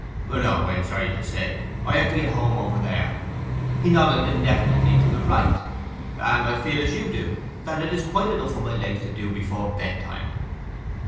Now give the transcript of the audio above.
'No, I am sorry to say! I have to get home over there' (he nodded indefinitely to the right), 'and I feel as you do, that it is quite enough for my legs to do before bedtime.